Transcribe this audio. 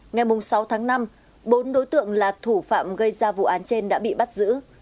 ngày sáu tháng năm bốn đối tượng là thủ phạm gây ra vụ án trên đã bị bắt giữ